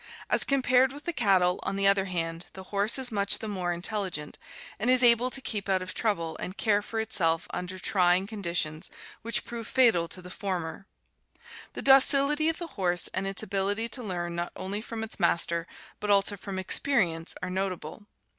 As compared with the cattle, on the other hand, the horse is much the more intelligent and is able to keep out of trouble and care for itself under trying conditions which prove fatal to the former. The docility of the horse and its ability to learn not only from its master but also from experience are notable.